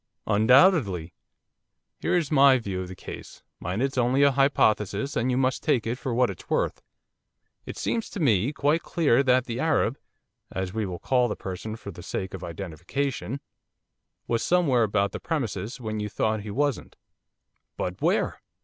'Undoubtedly. Here is my view of the case, mind it is only a hypothesis and you must take it for what it is worth. It seems to me quite clear that the Arab, as we will call the person for the sake of identification, was somewhere about the premises when you thought he wasn't.' 'But where?